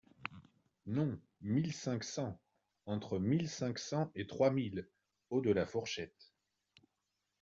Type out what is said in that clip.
Non, mille cinq cents ! Entre mille cinq cents et trois mille – haut de la fourchette.